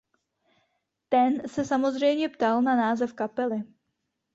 Ten se samozřejmě ptal na název kapely.